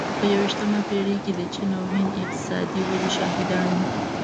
په یوویشتمه پېړۍ کې د چین او هند د اقتصادي ودې شاهدان یو.